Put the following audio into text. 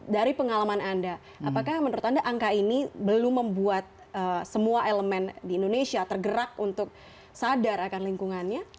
dari pengalaman anda apakah menurut anda angka ini belum membuat semua elemen di indonesia tergerak untuk sadar akan lingkungannya